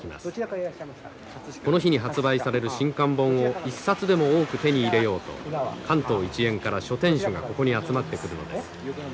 この日に発売される新刊本を一冊でも多く手に入れようと関東一円から書店主がここに集まってくるのです。